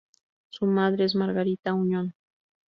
Su madre es Margarita Auñón.